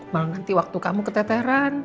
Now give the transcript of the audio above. malah nanti waktu kamu keteteran